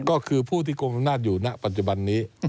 ก็คือผู้ที่กรมอำนาจอยู่ณปัจจุบันนี้